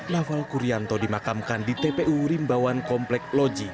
noval gurianto dimakamkan di tpu rimbawan komplek loji